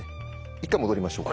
一回戻りましょうか。